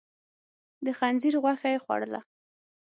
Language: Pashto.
د خنزير غوښه يې خوړله؟